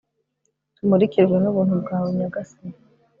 Tumurikirwe n’ubuntu bwawe Nyagasani